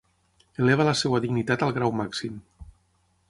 Eleva la seva dignitat al grau màxim.